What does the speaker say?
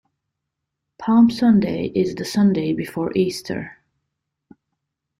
Palm Sunday is the Sunday before Easter.